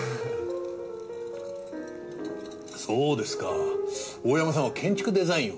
そうですか大山さんは建築デザインを。